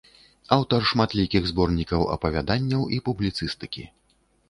Аўтар шматлікіх зборнікаў апавяданняў і публіцыстыкі.